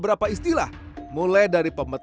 mereka telah menjelangkan kembali